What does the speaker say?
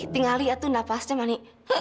tinggal lihat tuh nafasnya mani